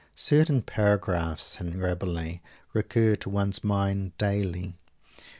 Certain paragraphs in Rabelais recur to one's mind daily.